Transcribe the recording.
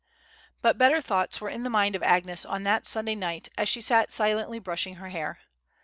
But better thoughts were in the mind of Agnes on that Sunday night, as she sat silently brushing her hair.